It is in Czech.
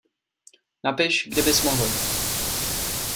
Napiš, kdy bys mohl.